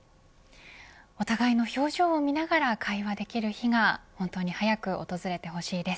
お互いの表情を見ながら会話できる日が本当に早く訪れてほしいです。